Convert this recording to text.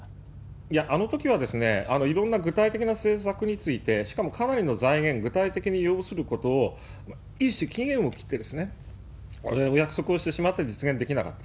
いや、あのときは、いろんな具体的な政策について、しかもかなりの財源、具体的に要することを、一種期限を切って、お約束をしてしまって実現できなかった。